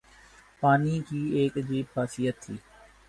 پانی کی ایک عجیب خاصیت تھی